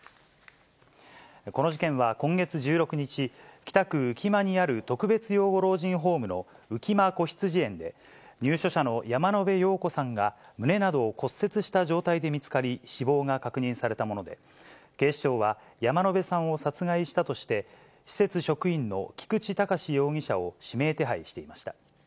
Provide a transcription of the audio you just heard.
この事件は今月１６日、北区浮間にある特別養護老人ホームの浮間こひつじ園で、入所者の山野辺陽子さんが、胸などを骨折した状態で見つかり、死亡が確認されたもので、警視庁は、山野辺さんを殺害したとして、施設職員の菊池隆容疑者を指名手配していました。